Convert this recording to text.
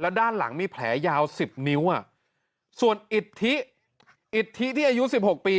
แล้วด้านหลังมีแผลยาวสิบนิ้วอ่ะส่วนอิทธิอิทธิที่อายุสิบหกปี